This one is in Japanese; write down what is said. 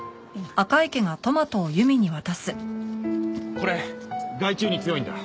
これ害虫に強いんだ。